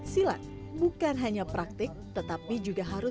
silat bukan hanya praktik tetapi juga harus